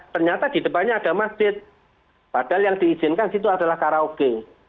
ternyata di depannya ada masjid padahal yang diizinkan di situ adalah karaoke